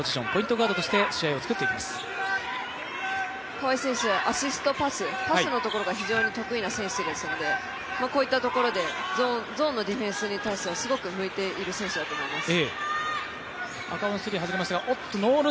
川井選手、アシストパス、パスのところが非常に得意な選手ですのでこういったところでゾーンのディフェンスに対しては、すごく向いている選手だと思います。